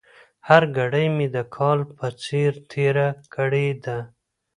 هره ګړۍ مې د کال په څېر تېره کړې ده.